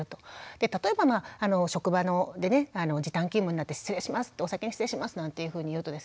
例えば職場でね時短勤務になって「お先に失礼します」なんていうふうに言うとですね